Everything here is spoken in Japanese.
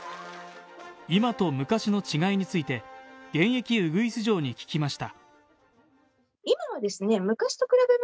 今と昔の違いについて、現役ウグイス嬢に聞きました。